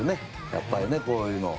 やっぱり、こういうの。